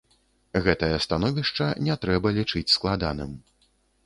Гэтае становішча не трэба лічыць складаным.